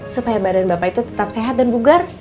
supaya badan bapak itu tetap sehat dan bugar